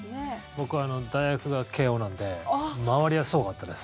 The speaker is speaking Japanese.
僕は大学が慶應なので周りはすごかったです。